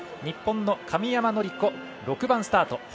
日本の神山則子、６番スタート。